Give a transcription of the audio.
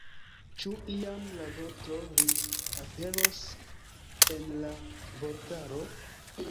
Ĉu iam la vorto ”ri” aperos en la vortaro?